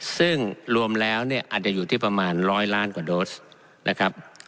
ซึ่งรวมแล้วเนี่ยอาจจะอยู่ที่ประมาณ๑๐๐ล้านกว่าโดสนะครับ